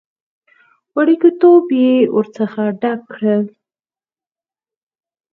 وړوکی ټيوب يې ورڅخه ډک کړ.